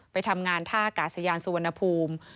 ไปทำงานท่ากาศยานสุวรรณภูมิ